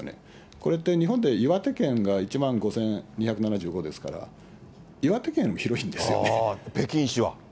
これって、日本で岩手県が１万５２７５ですから、岩手県より広い北京市は。